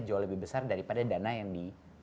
jauh lebih besar daripada dana yang di